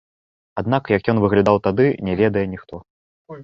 Аднак як ён выглядаў тады, не ведае ніхто.